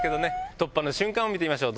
突破の瞬間を見てみましょう。